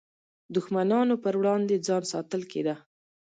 دښمنانو پر وړاندې ځان ساتل کېده.